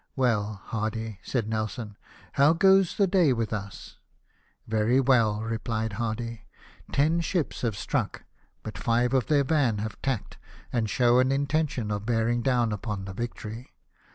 '' Well, Hardy," said Nelson, " how goes the day with us ?"" Very well," replied Hardy ;'' ten ships have struck, but five of their van have tacked, and show an intention of bearing down upon the Victory.